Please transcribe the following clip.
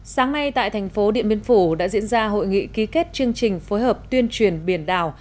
sáng nay tại thành phố điện biên phủ đã diễn ra hội nghị ký kết chương trình phối hợp tuyên truyền biển đảo